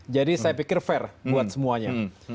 jadi saya pikir fair buat semuanya